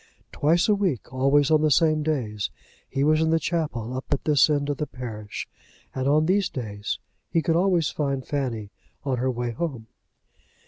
Twice a week, always on the same days, he was in the chapel up at this end of the parish, and on these days he could always find Fanny on her way home.